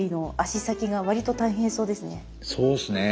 そうっすね。